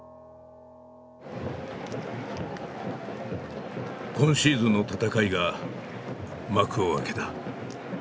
今シーズンの戦いが幕を開けた。